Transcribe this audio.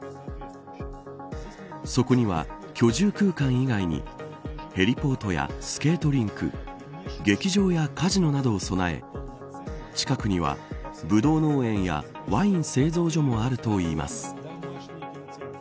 そこには、居住空間以外にヘリポートやスケートリンク劇場やカジノなどを備え近くにはブドウ農園やワイン製造所もあるといいます。